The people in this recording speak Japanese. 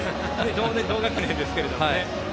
同学年ですけれどもね。